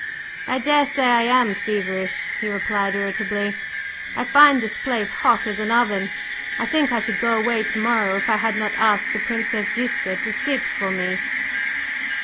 "I daresay I am feverish," he replied irritably, "I find this place hot as an oven. I think I should go away to morrow if I had not asked the Princess Ziska to sit to me."